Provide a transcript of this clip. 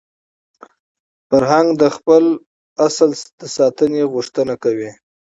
فرهنګ د خپل اصل د ساتني غوښتنه کوي.